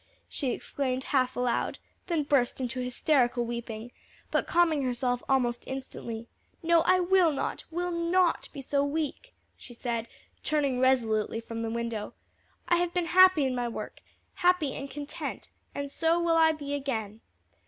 she exclaimed half aloud, then burst into hysterical weeping; but calming herself almost instantly. "No, I will not, will not be so weak!" she said, turning resolutely from the window. "I have been happy in my work, happy and content, and so will I be again.